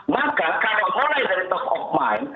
maka kalau mulai dari top of mind